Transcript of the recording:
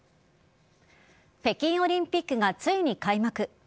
北京オリンピックがついに開幕。